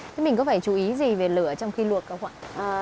thế mình có phải chú ý gì về lửa trong khi luộc không ạ